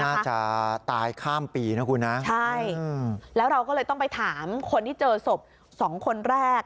น่าจะตายข้ามปีนะคุณนะใช่แล้วเราก็เลยต้องไปถามคนที่เจอศพสองคนแรก